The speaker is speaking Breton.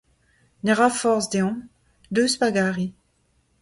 Ne ra forzh deomp. Deus pa gari.